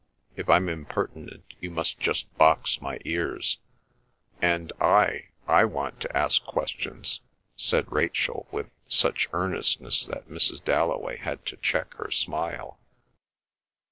If I'm impertinent, you must just box my ears." "And I—I want to ask questions," said Rachel with such earnestness that Mrs. Dalloway had to check her smile.